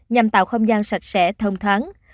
nhằm tạo không gian sạch sẽ thông thoáng